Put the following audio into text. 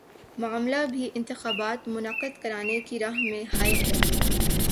معاملہ بھی جلد انتخابات منعقد کرانے کی راہ میں حائل ہے